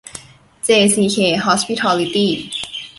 เจซีเค ฮอสพิทอลลิตี้